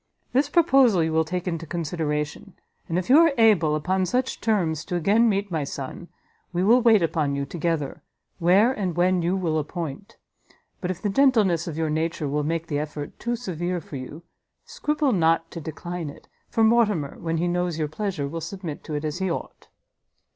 This proposal you will take into consideration, and if you are able, upon such terms, to again meet my son, we will wait upon you together, where and when you will appoint; but if the gentleness of your nature will make the effort too severe for you, scruple not to decline it, for Mortimer, when he knows your pleasure, will submit to it as he ought.